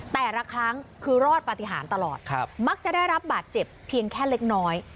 แต่ละครั้งคือรอดปฏิหารตลอดมักจะได้รับบาดเจ็บเพียงแค่เล็กน้อย